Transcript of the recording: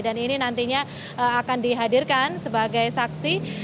dan ini nantinya akan dihadirkan sebagai saksi